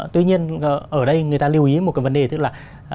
tuy nhiên ở đây người ta lưu ý một cái vấn đề tức là